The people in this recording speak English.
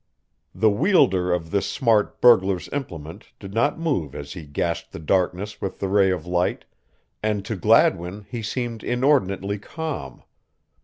The wielder of this smart burglar's implement did not move as he gashed the darkness with the ray of light, and to Gladwin he seemed inordinately calm.